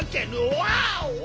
ワオ！